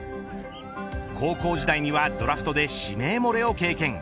高校時代にはドラフトで指名漏れを経験。